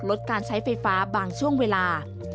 ลดการใช้ไฟฟ้าบางช่วงเวลา